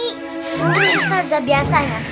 terus ustazah biasanya